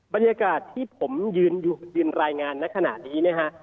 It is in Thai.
บรรยากาศที่ผมยืนรายงานนั้นขนาดนี้นะครับ